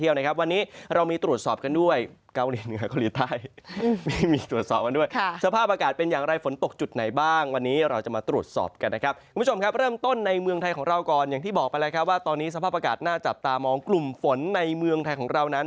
ว่าตอนนี้สภาพอากาศน่าจับตามองกลุ่มฝนในเมืองไทยของเรานั้น